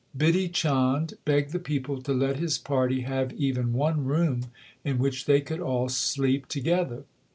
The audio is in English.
Bidhi Chand begged the people to let his party have even one room in which they could all sleep together.